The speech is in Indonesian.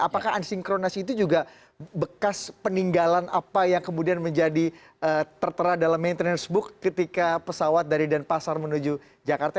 apakah unsynchronized itu juga bekas peninggalan apa yang kemudian menjadi tertera dalam maintenance book ketika pesawat dari denpasar menuju jakarta